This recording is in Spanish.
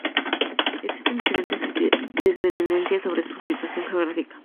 Existen diferentes desavenencias sobre su situación geográfica.